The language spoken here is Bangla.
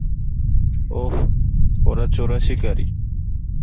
ওহ, ওরা চোরাশিকারি।